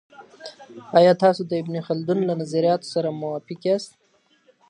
آیا تاسو د ابن خلدون له نظریاتو سره موافق یاست؟